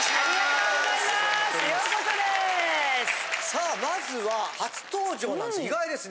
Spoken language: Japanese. さあまずは初登場なんです。